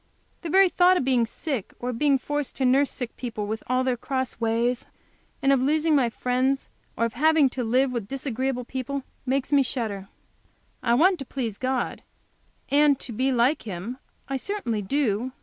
The very thought of being sick, or of being forced to nurse sick people, with all their cross ways, and of losing my friends, or of having to live with disagreeable people, makes me shudder. I want to please God, and to be like Him. I certainly do.